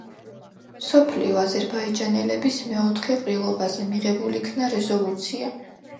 მსოფლიო აზერბაიჯანელების მეოთხე ყრილობაზე მიღებულ იქნა რეზოლუცია.